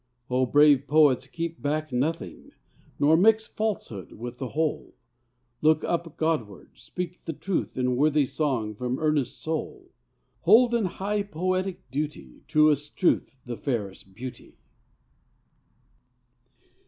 O brave poets, keep back nothing ; Nor mix falsehood with the whole ! Look up Godward! speak the truth in Worthy song from earnest soul ! Hold, in high poetic duty, Truest Truth the fairest Beauty!